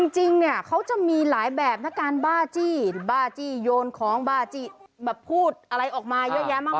จริงเนี่ยเขาจะมีหลายแบบนะการบ้าจี้บ้าจี้โยนของบ้าจี้แบบพูดอะไรออกมาเยอะแยะมาก